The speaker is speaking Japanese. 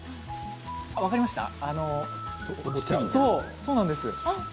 分かりました？